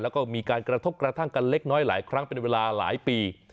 แล้วก็มีการกระทบกระทั่งกันเล็กน้อยหลายครั้งเป็นเวลาหลายปี